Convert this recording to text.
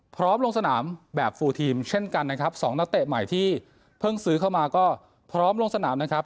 ลงสนามแบบฟูลทีมเช่นกันนะครับสองนักเตะใหม่ที่เพิ่งซื้อเข้ามาก็พร้อมลงสนามนะครับ